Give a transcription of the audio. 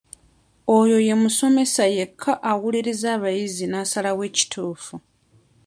Oyo ye musomesa yekka awuliriza abayizi n'asalawo ekituufu.